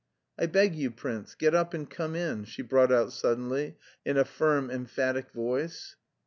"I beg you, prince, get up and come in," she brought out suddenly, in a firm, emphatic voice.